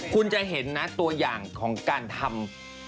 คุณจะเห็นนะตัวอย่างของการทำ